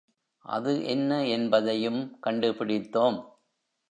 அது என்ன என்பதையும் கண்டு பிடித்தோம்.